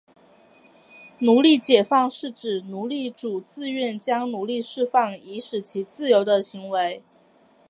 奴隶解放是指奴隶主自愿将奴隶释放以使其自由的行为。